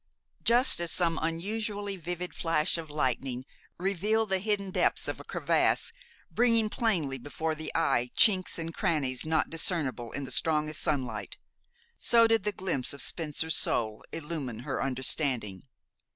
Just as some unusually vivid flash of lightning revealed the hidden depths of a crevasse, bringing plainly before the eye chinks and crannies not discernible in the strongest sunlight, so did the glimpse of Spencer's soul illumine her understanding.